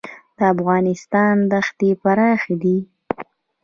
د افغانستان دښتې پراخې دي